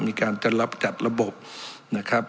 มีการจะรับจัดระบบนะครับ